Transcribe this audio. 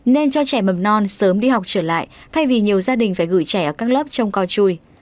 nên cho trẻ mầm non sớm đi học trở lại thay vì nhiều gia đình phải gửi trẻ ở các lớp trong cao chui